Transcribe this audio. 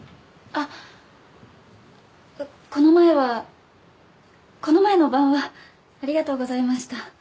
あっこの前はこの前の晩はありがとうございました。